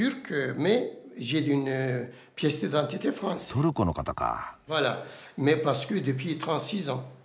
トルコの方か。